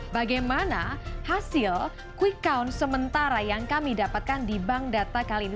bagaimana hasil quick count sementara yang kami dapatkan di bank data kali ini